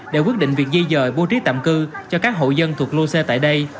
để quyết định việc di dời bố trí tạm cư cho các hộ dân thuộc lô xe tại đây